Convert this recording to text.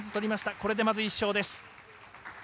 これでまず１勝です。